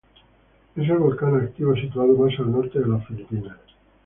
Es el volcán activo situado más al norte de las Filipinas.